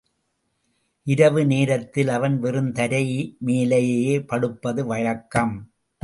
இரவு நேரத்தில் அவன் வெறும் தரை மேலேயே படுப்பது வழக்கம்.